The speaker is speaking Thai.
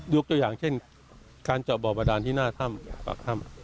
ยกตัวอย่างเช่นการเจาะบ่อบบาดาลที่หน้าถ้ำภักษ์ถ้ำ